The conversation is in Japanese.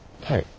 はい。